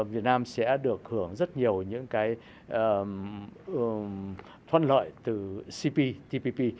việt nam sẽ được hưởng rất nhiều những cái thuận lợi từ cptpp